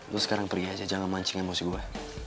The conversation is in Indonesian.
lo sekarang pergi aja jangan mancing emosi gue